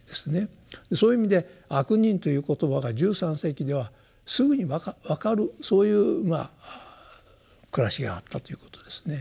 そういう意味で「悪人」という言葉が１３世紀ではすぐに分かるそういう暮らしがあったということですね。